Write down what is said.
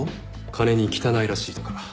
金に汚いらしいとか。